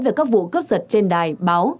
về các vụ cướp giật trên đài báo